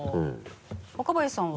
若林さんは？